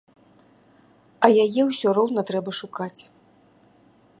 А яе ўсё роўна трэба шукаць.